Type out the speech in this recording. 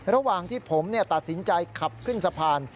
ระหว่างที่ผมตัดสินใจขับขึ้นสะพาน